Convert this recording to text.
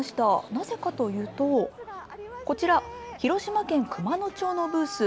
なぜかというとこちら、広島県熊野町のブース。